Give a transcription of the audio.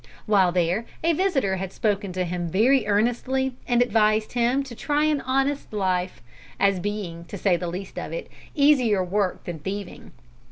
While there a visitor had spoken to him very earnestly, and advised him to try an honest life, as being, to say the least of it, easier work than thieving.